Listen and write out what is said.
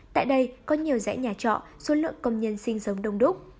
tại đây có nhiều dãy nhà trọ số lượng công nhân sinh sống đông đúc